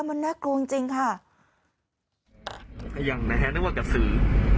มันน่ากลัวจริงจริงค่ะก็ยังนะฮะนึกว่ากระสือ